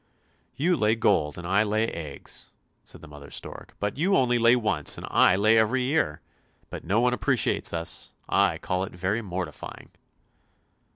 "" You lay gold, and I lay eggs," said mother stork; " but you only lay once and I lay every year. But no one appreciates us; I call it very mortifying!